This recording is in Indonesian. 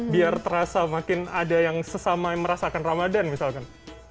biar terasa makin ada yang sesama merasakan ramadan misalkan